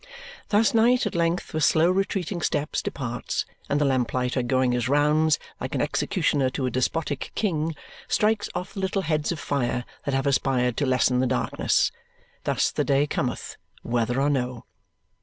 Thus night at length with slow retreating steps departs, and the lamp lighter going his rounds, like an executioner to a despotic king, strikes off the little heads of fire that have aspired to lessen the darkness. Thus the day cometh, whether or no.